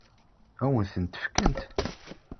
Ad wen-tent-fkent?